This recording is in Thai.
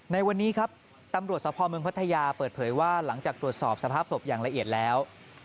ในวันนี้ครับตำรวจสภเมืองพัทยาเปิดเผยว่าหลังจากตรวจสอบสภาพศพอย่างละเอียดแล้ว